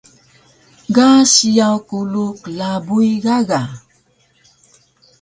Ga siyaw kulu klabuy gaga